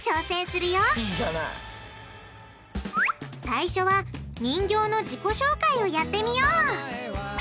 最初は人形の自己紹介をやってみよう！